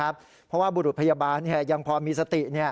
เพราะว่าบุรุษพยาบาลยังพอมีสติ